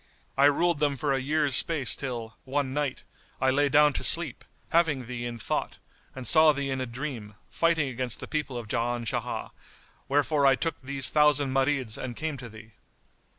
I ruled them for a year's space till, one Night, I lay down to sleep, having thee in thought, and saw thee in a dream, fighting against the people of Jan Shah; wherefore I took these thousand Marids and came to thee."